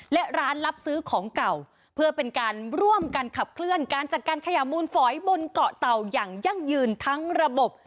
และร้านรับซื้อของเก่าเพื่อเป็นการร่วมกันขับเคลื่อนการจัดการขยะมูลฝอยบนเกาะเต่าอย่างยั่งยืนทั้งระบบ